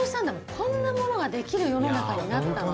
こんなものができる世の中になったの？